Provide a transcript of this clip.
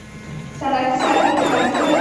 صنعتي سکتور یې کمزوری دی.